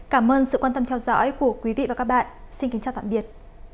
cảm ơn sự quan tâm theo dõi của quý vị và các bạn xin kính chào tạm biệt